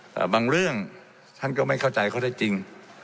แต่บางเรื่องท่านก็ไม่เข้าใจเขาได้จริง